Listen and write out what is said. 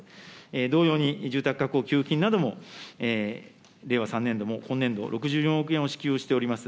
同様に、住宅確保給付金なども、令和３年度も、本年度６４億円を支給をしております。